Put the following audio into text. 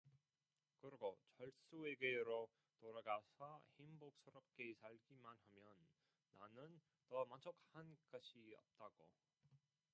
그러고 철수에게로 돌아가서 행복스럽게 살기만 하면 나는 더 만족한 것이 없다고.